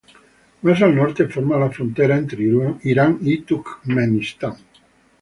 Más al norte forma la frontera entre Irán y Turkmenistán.